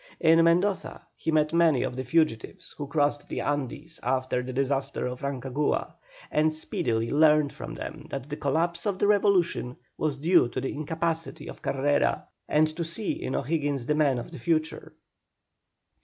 In Mendoza he met many of the fugitives who crossed the Andes after the disaster of Rancagua, and speedily learned from them that the collapse of the revolution was due to the incapacity of Carrera, and to see in O'Higgins the man of the future.